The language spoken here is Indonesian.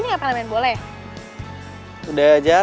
ya udah udah lama dulu bij reactive